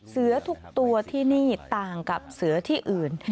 เสือทุกตัวที่นี่ต่างกับเสือที่อื่น